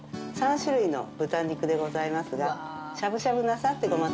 ３種類の豚肉でございますがしゃぶしゃぶなさってごま